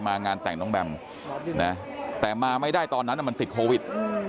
งานแต่งน้องแบมนะแต่มาไม่ได้ตอนนั้นมันติดโควิด